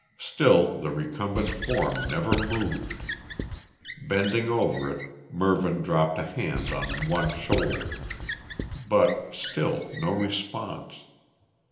Still the recumbent form never moved. Bending over it Mervyn dropped a hand on one shoulder. But still no response.